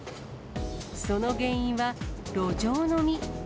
その原因は、路上飲み。